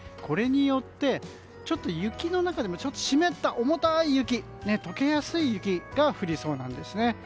これによって雪の中でも湿った重たい雪解けやすい雪が降りそうなんです。